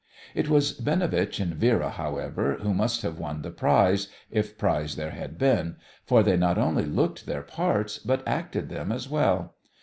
It was Binovitch and Vera, however, who must have won the prize, if prize there had been, for they not only looked their parts, but acted them as well.